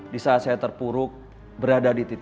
disaat saya terpuruk berada di titik nol